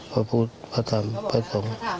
พระธรรมพระธรรมพระศงษ์